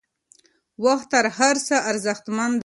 وخت تر هر څه ارزښتمن دی.